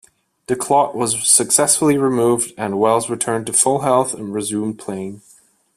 The clot was successfully removed and Wells returned to full health and resumed playing.